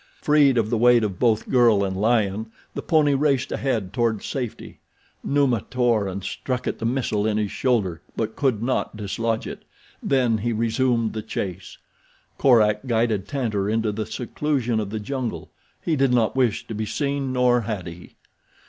Freed of the weight of both girl and lion the pony raced ahead toward safety. Numa tore and struck at the missile in his shoulder but could not dislodge it. Then he resumed the chase. Korak guided Tantor into the seclusion of the jungle. He did not wish to be seen, nor had he.